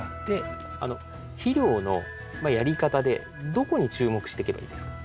肥料のやり方でどこに注目していけばいいですか？